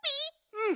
うん。